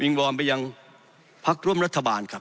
วอนไปยังพักร่วมรัฐบาลครับ